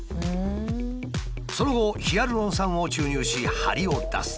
その後ヒアルロン酸を注入し張りを出す。